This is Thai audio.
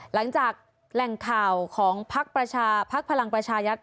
หลังจากแหล่งข่าวของภักรรณ์ประชาภักร์พลังประชารัฐ